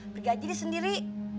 pergi aja deh sendiri